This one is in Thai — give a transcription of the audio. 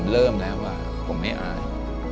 ผมเริ่มแล้วว่าผมไม่อาย